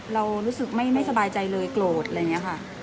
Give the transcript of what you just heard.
เรารู้สึกไม่สบายใจเลยกลดอะไรแบบนี้ค่ะ